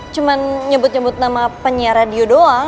cuma nyebut nyebut nama penyiar radio doang